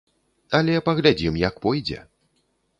Але паглядзім, як пойдзе.